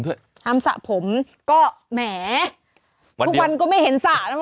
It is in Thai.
เพื่อนห้ามสระผมก็แหมวันเดียวทุกวันก็ไม่เห็นสระนะ